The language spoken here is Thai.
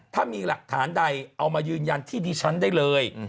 ถ้ามีหลักฐานใดเอามายืนยันที่ดิฉันได้เลย